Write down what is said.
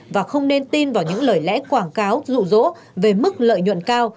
và không nên tin vào những lời lẽ quảng cáo rụ rỗ về mức lợi nhuận cao